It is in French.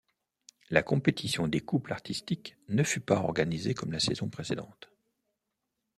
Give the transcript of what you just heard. La compétition des couples artistiques ne fut pas organisées comme la saison précédente.